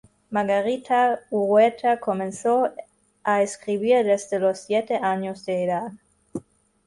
Margarita Urueta comenzó a escribir desde los siete años de edad.